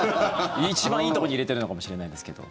一番いいところに入れてるのかもしれないですけど。